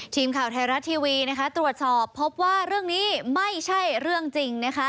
ทีมข่าวไทยรัฐทีวีนะคะตรวจสอบพบว่าเรื่องนี้ไม่ใช่เรื่องจริงนะคะ